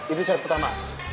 itu syarat pertama